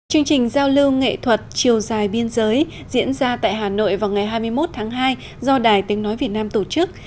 chương trình giao lưu nghệ thuật chiều dài biên giới diễn ra tại hà nội vào ngày hai mươi một tháng hai do đài tiếng nói việt nam tổ chức